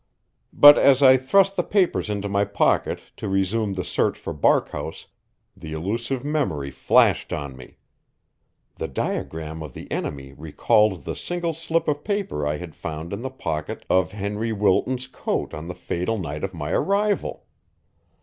But as I thrust the papers into my pocket to resume the search for Barkhouse, the elusive memory flashed on me. The diagram of the enemy recalled the single slip of paper I had found in the pocket of Henry Wilton's coat on the fatal night of my arrival.